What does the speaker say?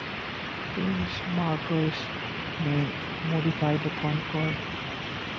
Tense markers may modify the concord.